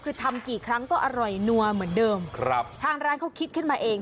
คือทำกี่ครั้งก็อร่อยนัวเหมือนเดิมครับทางร้านเขาคิดขึ้นมาเอง